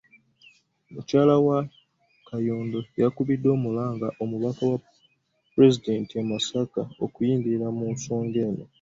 Mukyala wa Kayondo, yakubidde omulanga omubaka wa Pulezidenti e Masaka okuyingira mu nsonga eno.